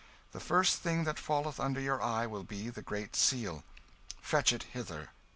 The first thing that falleth under your eye will be the Great Seal fetch it hither."